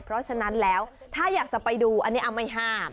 เพราะฉะนั้นแล้วถ้าอยากจะไปดูอันนี้ไม่ห้าม